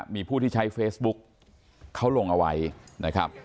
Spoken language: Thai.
มีผู้ที่ใช้เฟซบุ๊กเขาลงเอาไว้นะครับ